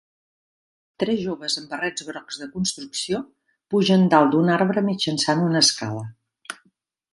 Tres joves amb barrets grocs de construcció pugen dalt d'un arbre mitjançant una escala.